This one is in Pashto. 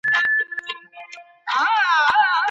د بریا میوه یوازي لایقو کسانو ته نه سي منسوبېدلای.